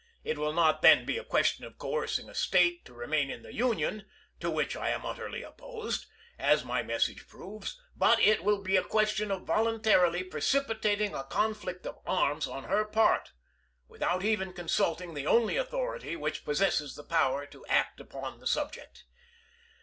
It will not then be a question of coercing a State to remain in the Union, to which I am utterly opposed, as my message proves, but it will be a question of volun tarily precipitating a conflict of arms on' her part, with out even consulting the only authority which possesses the power to act upon the subject.